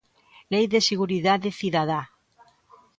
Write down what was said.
Lei de Seguridade Cidadá.